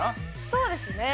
そうですね